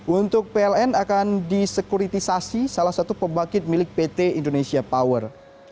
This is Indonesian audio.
untuk pln akan disekuritisasi salah satu pembangkit milik pt indonesia power